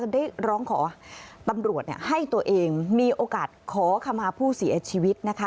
ได้ร้องขอตำรวจให้ตัวเองมีโอกาสขอขมาผู้เสียชีวิตนะคะ